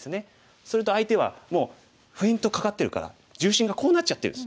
すると相手はもうフェイントかかってるから重心がこうなっちゃってるんです。